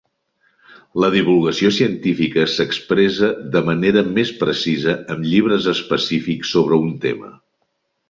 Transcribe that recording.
La divulgació científica s'expressa de manera més precisa en llibres específics sobre un tema.